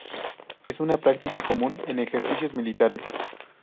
Es una práctica común en ejercicios militares.